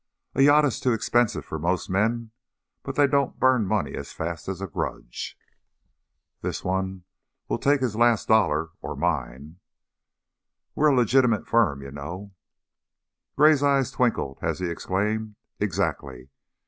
"A yacht is too expensive for most men, but they don't burn money as fast as a grudge." "This one will take his last dollar or mine." "We're a legitimate firm, you know " Gray's eyes twinkled as he exclaimed: "Exactly!